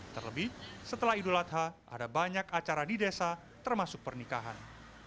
terlebih setelah idul adha ada banyak acara di desa termasuk pernikahan